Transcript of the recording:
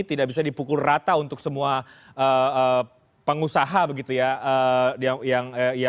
tidak bisa dipukul rata untuk semua pengusaha begitu ya